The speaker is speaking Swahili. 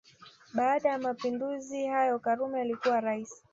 Baada ya Mapinduzi hayo karume alikuwa Rais